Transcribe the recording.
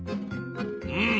うん！